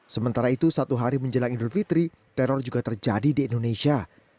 sementara itu satu hari menjelang idul fitri teror juga terjadi di indonesia